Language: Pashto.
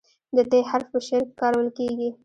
د "ت" حرف په شعر کې کارول کیږي.